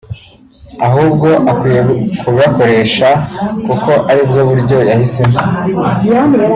ahubwo akwiye kugakoresha kuko aribwo buryo yahisemo”